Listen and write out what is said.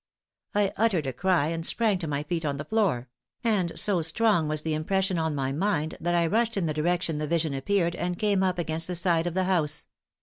I uttered a cry, and sprang to my feet on the floor; and so strong was the impression on my mind, that I rushed in the direction the vision appeared, and came up against the side of the house.